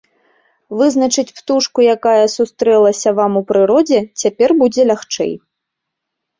Вызначыць птушку, якая сустрэлася вам у прыродзе, цяпер будзе лягчэй.